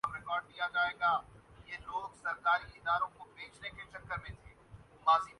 ابھی بھارت چھوڑنے کافیصلہ نہیں کیا وسیم اکرم